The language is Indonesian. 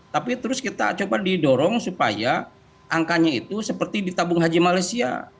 tapi terus kita coba didorong supaya angkanya itu seperti di tabung haji malaysia